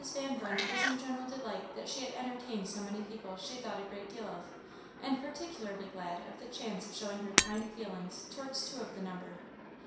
Van Brunt was in general delight that she had entertained so many people she thought a great deal of, and particularly glad of the chance of showing her kind feelings towards two of the number.